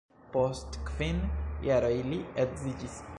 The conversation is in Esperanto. Post kvin jaroj li edziĝis.